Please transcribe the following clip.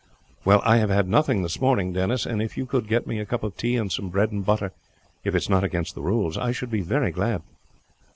"Well, I have had nothing this morning, Denis; and if you could get me a cup of tea and some bread and butter, if it is not against the rules, I should be very glad."